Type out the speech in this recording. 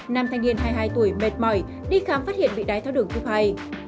nam thanh niên hai mươi hai tuổi mệt mỏi đi khám phát hiện bị đái tháo đường thuốc hài